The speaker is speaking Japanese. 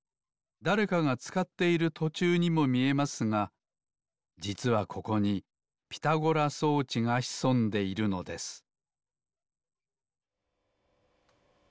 だれかがつかっているとちゅうにもみえますがじつはここにピタゴラ装置がひそんでいるのです